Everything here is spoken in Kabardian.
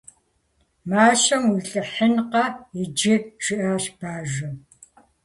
Мащэм уилӏыхьынкъэ иджы! - жиӏащ бажэм.